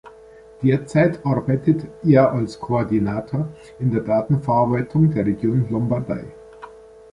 Derzeit arbeitet er als Koordinator in der Datenverarbeitung der Region Lombardei.